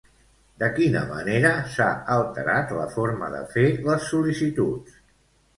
De quina manera s'ha alterat la forma de fer les sol·licituds?